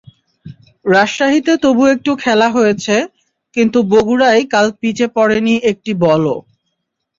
রাজশাহীতে তবু একটু খেলা হয়েছে, কিন্তু বগুড়ায় কাল পিচে পড়েনি একটি বলও।